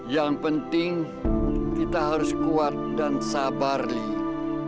yang penting kita harus kuat dan sabar lihat